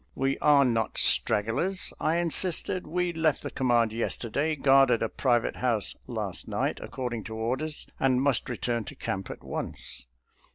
" We are not stragglers," I insisted. " We left the command yesterday, guarded a private house last night according to orders, and must return to camp at once."